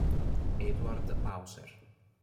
Eduard Hauser